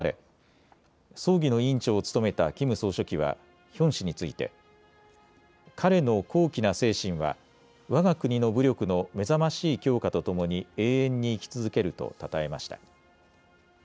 国葬はきのう執り行われ葬儀の委員長を務めたキム総書記はヒョン氏について彼の高貴な精神はわが国の武力の目覚ましい強化とともに永遠に生き続けるとたたえました。